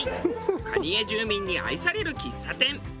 蟹江住民に愛される喫茶店。